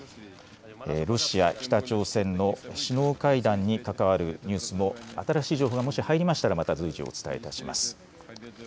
ロシア北朝鮮の首脳会談に関わるニュースも新しい情報がもし入りましたらまた随時、お伝えします。